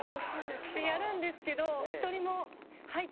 やるんですけど。